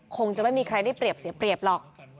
คงจะไม่มีใครได้เปรียบเสียเปรียบหรอก